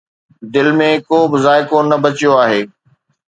دل ۾ ڪو به ذائقو نه بچيو آهي